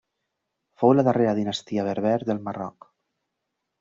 Fou la darrera dinastia berber del Marroc.